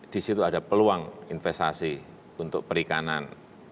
di situ ada peluang investasi untuk perikanan